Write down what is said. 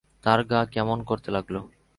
তার গা কেমন করতে লাগল।